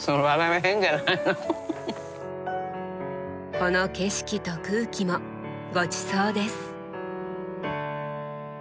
この景色と空気もごちそうです。